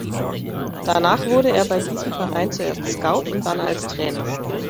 Danach wurde er bei diesem Verein zuerst Scout und dann als Trainer.